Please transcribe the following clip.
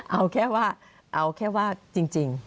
เอาแค่ว่าเอาแค่ว่าจริง